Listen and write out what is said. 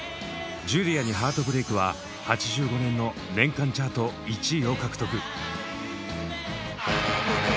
「ジュリアに傷心」は８５年の年間チャート１位を獲得。